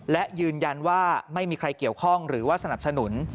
และยืนยันว่าไม่มีใครเกี่ยวข้องหรือว่าสนับสนุน